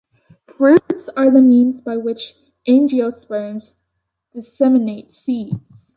Fruits are the means by which angiosperms disseminate seeds.